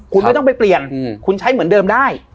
คุณไม่ต้องไปเปลี่ยนคุณใช้เหมือนเดิมได้